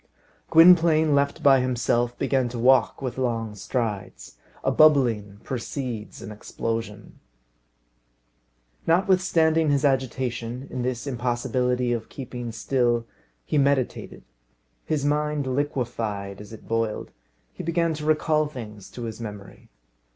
Gwynplaine, left by himself, began to walk with long strides. A bubbling precedes an explosion. Notwithstanding his agitation, in this impossibility of keeping still, he meditated. His mind liquefied as it boiled. He began to recall things to his memory.